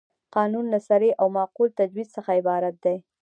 قانون له صریح او معقول تجویز څخه عبارت دی.